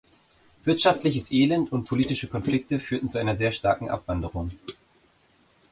Wirtschaftliches Elend und politische Konflikte führten zu einer sehr starken Abwanderung.